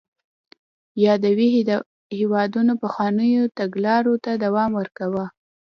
یادو هېوادونو پخوانیو تګلارو ته دوام ورکاوه.